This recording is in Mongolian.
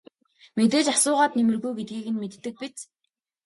Мэдээж асуугаад нэмэргүй гэдгийг нь мэддэг биз.